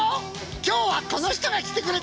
今日はこの人が来てくれた。